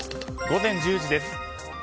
午前１０時です。